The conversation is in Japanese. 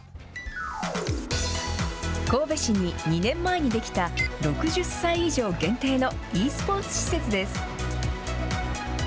神戸市に２年前に出来た６０歳以上限定のｅスポーツ施設です。